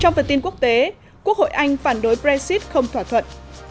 trong phần tin quốc tế quốc hội anh phản đối brexit không thỏa thuận